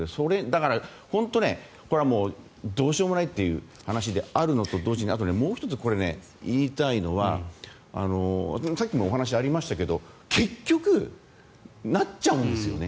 だから、どうしようもないという話であると同時にあと、もう１つ言いたいのはさっきもお話がありましたが結局、なっちゃうんですよね。